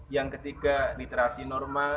yang ketiga literasi norma